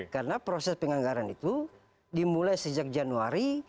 karena proses penganggaran itu dimulai sejak januari